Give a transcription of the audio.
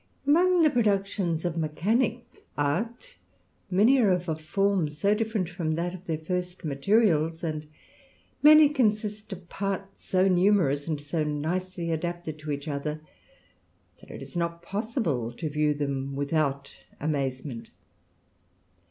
Among the productions of mechanick art, many are of a form so different from that of their first materials, and many consist of parts so numerous and so nicely adapted to each ISO THE RAMBLER. other, that it is not possible to view them without amaze — ment.